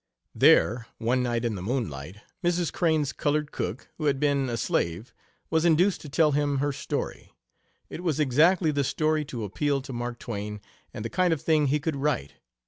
There, one night in the moonlight, Mrs. Crane's colored cook, who had been a slave, was induced to tell him her story. It was exactly the story to appeal to Mark Twain, and the kind of thing he could write.